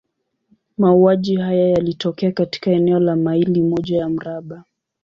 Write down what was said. Mauaji haya yalitokea katika eneo la maili moja ya mraba.